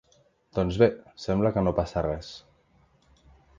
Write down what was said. Doncs bé, sembla que no passa res.